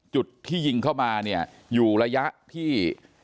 จุดที่ยิงเข้ามาเนี่ยอยู่ระยะที่